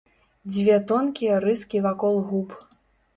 Дзве тонкія рыскі вакол губ.